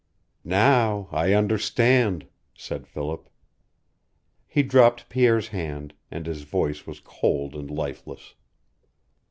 "Now I understand," said Philip. He dropped Pierre's hand, and his voice was cold and lifeless.